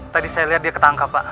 tadi saya lihat dia ketangkap pak